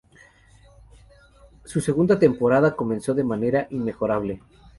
Su segunda temporada comenzó de manera inmejorable.